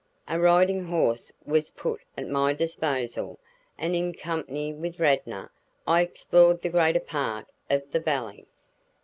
A riding horse was put at my disposal, and in company with Radnor I explored the greater part of the valley.